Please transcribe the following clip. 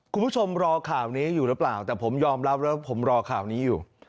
คุณผู้ชมรอข่าวนี้อยู่หรือเปล่าแต่ผมยอมรับแล้วผมรอข่าวนี้อยู่